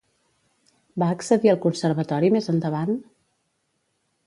Va accedir al Conservatori més endavant?